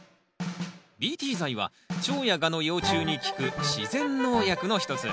ＢＴ剤はチョウやガの幼虫に効く自然農薬の一つ。